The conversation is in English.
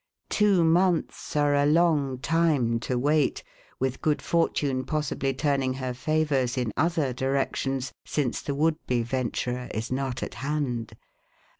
Two months are a long time to wait, with good for tune possibly turning her favors in other directions, since the would be venturer is not at hand.